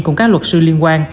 cùng các luật sư liên quan